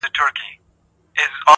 • خپل پردي ورته راتلل له نیژدې لیري -